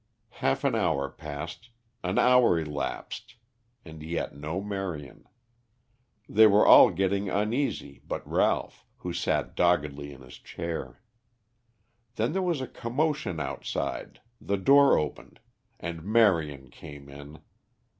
Half an hour passed, an hour elapsed, and yet no Marion. They were all getting uneasy but Ralph, who sat doggedly in his chair. Then there was a commotion outside, the door opened, and Marion came in.